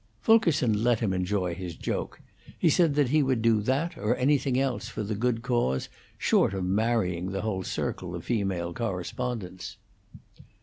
Fulkerson let him enjoy his joke. He said that he would do that or anything else for the good cause, short of marrying the whole circle of female correspondents.